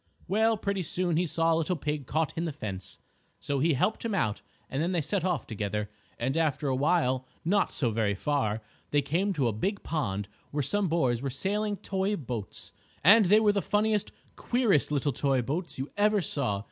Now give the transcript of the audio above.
Well, pretty soon he saw a little pig caught in the fence. So he helped him out and then they set off together, and after a while, not so very far, they came to a big pond where some boys were sailing toy boats. And they were the funniest, queerest little toy boats you ever saw.